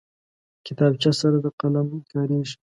کتابچه سره د قلم کارېږي